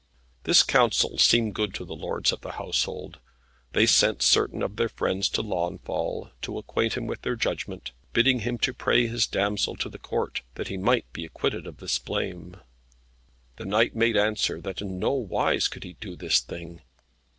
This counsel seemed good to the lords of the household. They sent certain of his friends to Launfal, to acquaint him with their judgment, bidding him to pray his damsel to the Court, that he might be acquitted of this blame. The knight made answer that in no wise could he do this thing.